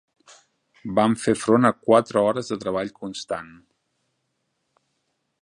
Vam fer front a quatre hores de treball constant.